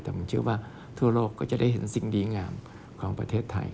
ทั้งมุหีชื่อว่าทั่วโลกจะได้เห็นแสนนี้ที่ทุกคนรู้สึกดีของประเทศไทย